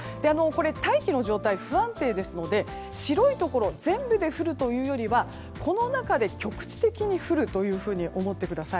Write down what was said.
大気の状態、不安定ですので白いところ全部で降るというよりはこの中で局地的に降ると思ってください。